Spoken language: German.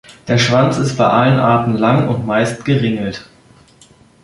Der Schwanz ist bei allen Arten lang und meist geringelt.